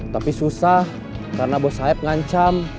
tapi susah karena bos sayap ngancam